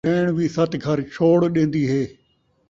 ݙیݨ وی ست گھر چھوڑ ݙین٘دی ہے